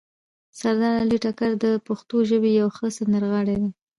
سردار علي ټکر د پښتو ژبې یو ښه سندرغاړی ده